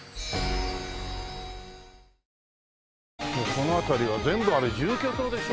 この辺りは全部あれ住居棟でしょう？